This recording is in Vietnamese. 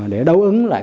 để đấu ứng lại